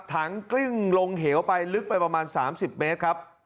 ถังกลิ้งลงเหวไปลึกไปประมาณ๓๐เมตรครับ